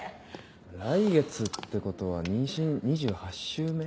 来月ってことは妊娠２８週目。